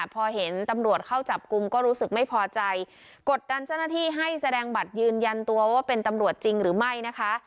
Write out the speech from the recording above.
พอเห็นตำรวจเข้าจับกลุ่มก็รู้สึกไม่พอใจกดดันเจ้าหน้าที่ให้แสดงบัตรยืนยันตัวว่าเป็นตำรวจจริงหรือไม่นะคะ